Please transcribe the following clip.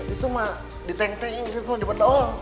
itu mah diteng teng gitu mah dibendong